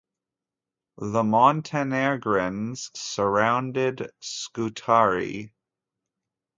The Montenegrins surrounded Scutari.